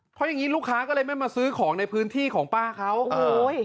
เพราะอย่างงี้ลูกค้าก็เลยไม่มาซื้อของในพื้นที่ของป้าเขาโอ้ย